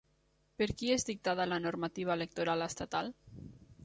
Per qui és dictada la normativa electoral estatal?